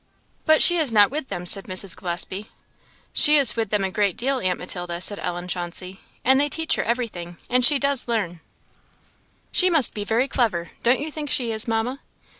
"But she is not with them," said Mrs. Gillespie. "She is with them a great deal, aunt Matilda," said Ellen Chauncey, "and they teach her everything, and she does learn! She must be very clever; don't you think she is, Mamma?